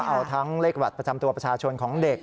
เอาทั้งเลขบัตรประจำตัวประชาชนของเด็ก